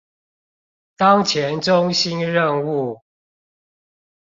當前中心任務